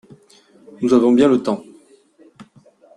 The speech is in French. Nous avons bien le temps…